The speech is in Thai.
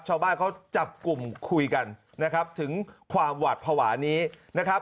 ชาวบ้านเขาจับกลุ่มคุยกันนะครับถึงความหวาดภาวะนี้นะครับ